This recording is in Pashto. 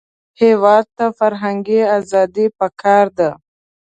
هېواد ته فرهنګي ازادي پکار ده